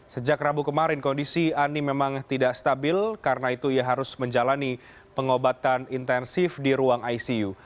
sejak rabu kemarin kondisi ani memang tidak stabil karena itu ia harus menjalani pengobatan intensif di ruang icu